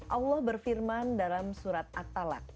allah berfirman dalam surat at talak